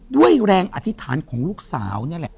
ด้วยแรงอธิษฐานของลูกสาวนี่แหละ